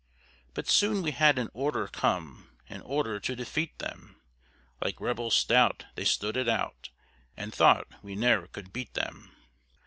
But soon we had an order come, An order to defeat them; Like rebels stout, they stood it out, And thought we ne'er could beat them.